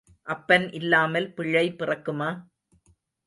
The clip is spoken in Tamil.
அப்பன் இல்லாமல் பிள்ளை பிறக்குமா?